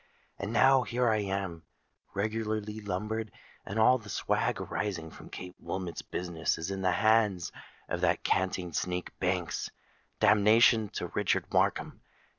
And now—here I am, regularly lumbered; and all the swag arising from Kate Wilmot's business is in the hands of that canting sneak Banks! Damnation to Richard Markham!